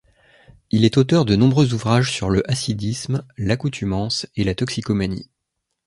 Il est auteur de nombreux ouvrages sur le hassidisme, l'accoutumance, et la toxicomanie.